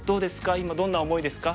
今どんな思いですか？